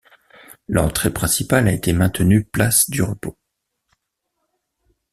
L'entrée principale a été maintenue place du Repos.